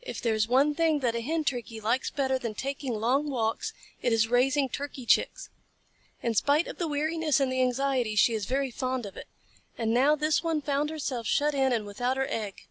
If there is one thing that a Hen Turkey likes better than taking long walks, it is raising Turkey Chicks. In spite of the weariness and the anxiety, she is very fond of it. And now this one found herself shut in and without her egg.